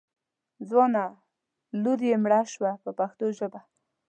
ځوانه لور یې مړه شوه په پښتو ژبه.